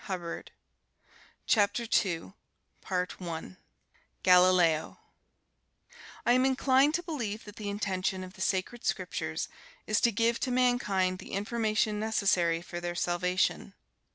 [Illustration: GALILEO] GALILEO I am inclined to believe that the intention of the Sacred Scriptures is to give to mankind the information necessary for their salvation.